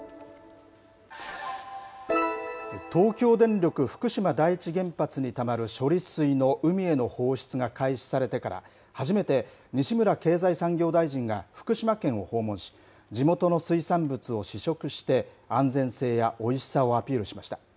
東京電力福島第一原発にたまる処理水の海への放出が開始されてから、初めて西村経済産業大臣が福島県を訪問し、地元の水産物を試食して、安全性やおいしさをアピールしました。